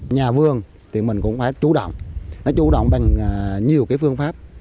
nhà vương thì mình cũng phải chú động chú động bằng nhiều phương pháp